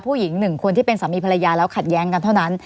ผู้หญิงหนึ่งคนที่เป็นสามีภรรยา